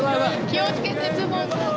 気をつけてズボン。